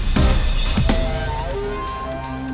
bye bye pak ultuk itouu